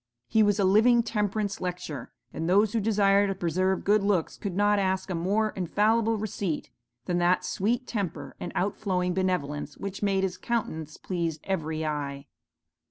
He was a living temperance lecture, and those who desire to preserve good looks could not ask a more infallible receipt, than that sweet temper and out flowing benevolence which made his countenance please every eye.